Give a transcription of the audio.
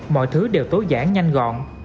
mọi thứ đều tối giản nhanh gọn